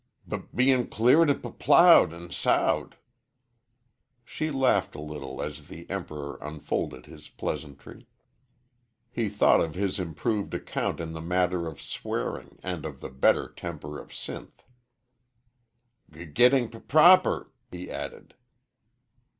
"B bein' cleared an' p ploughed an' sowed." She laughed a little as the Emperor unfolded his pleasantry. He thought of his improved account in the matter of swearing and of the better temper of Sinth. "G gittin' p proper," he added.